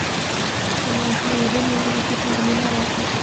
تمانچه يې ونيوله چې فارموله راکه.